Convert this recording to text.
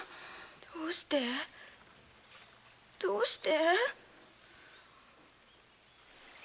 どうしてどうして？